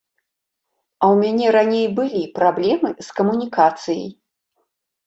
А ў мяне раней былі праблемы з камунікацыяй.